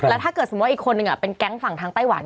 แล้วถ้าเกิดสมมุติอีกคนนึงเป็นแก๊งฝั่งทางไต้หวัน